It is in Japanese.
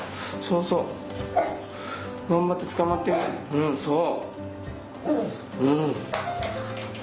うんそう。